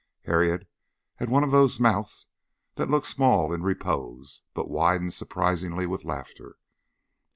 Harriet had one of those mouths that look small in repose, but widen surprisingly with laughter.